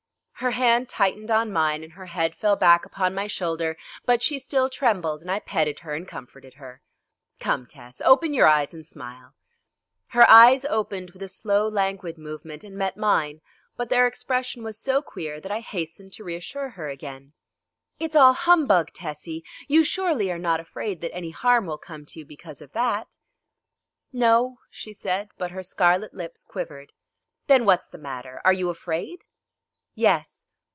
Her hand tightened on mine and her head fell back upon my shoulder, but she still trembled and I petted her and comforted her. "Come, Tess, open your eyes and smile." Her eyes opened with a slow languid movement and met mine, but their expression was so queer that I hastened to reassure her again. "It's all humbug, Tessie; you surely are not afraid that any harm will come to you because of that." "No," she said, but her scarlet lips quivered. "Then, what's the matter? Are you afraid?" "Yes.